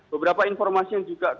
beberapa informasi yang juga